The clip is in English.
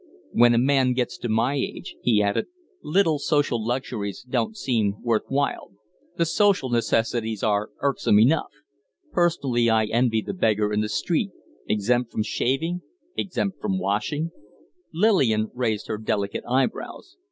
"When a man gets to my age," he added, "little social luxuries don't seem worth while; the social necessities are irksome enough. Personally, I envy the beggar in the street exempt from shaving, exempt from washing " Lillian raised her delicate eyebrows.